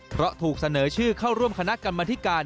เพราะถูกเสนอชื่อเข้าร่วมคณะกรรมธิการ